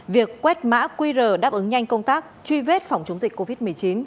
việc quét mã qr đáp ứng nhanh công tác truy vết phòng chống dịch covid một mươi chín